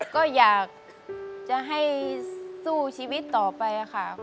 ก็อยากจะให้สู้ชีวิตต่อไปค่ะ